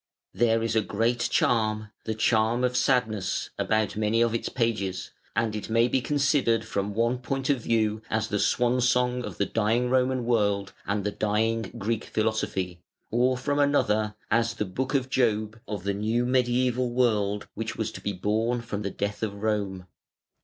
There is a great charm, the charm of sadness, about many of its pages, and it may be considered from one point of view as the swan's song of the dying Roman world and the dying Greek philosophy, or from another, as the Book of Job of the new mediæval world which was to be born from the death of Rome.